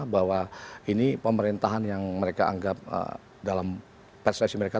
bahwa ini pemerintahan yang mereka anggap dalam persepsi mereka